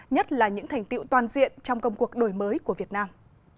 nhất là những thành tiệu toàn diện trong công cuộc đổi mới của việt nam